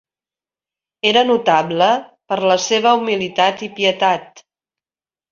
Era notable per la seva humilitat i pietat.